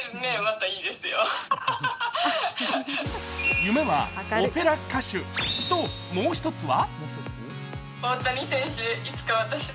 夢はオペラ歌手ともう一つは？